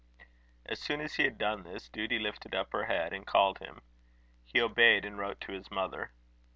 As soon as he had done this, Duty lifted up her head, and called him. He obeyed, and wrote to his mother.